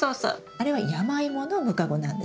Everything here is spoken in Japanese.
あれはヤマイモのムカゴなんですね。